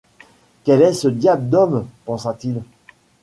Quel est ce diable d’homme ? pensa-t-il.